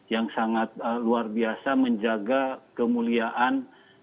yang sangat luar biasa menjaga kemuliaan